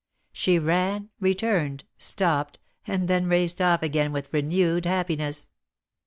She ran, returned, stopped, and then raced off again with renewed happiness.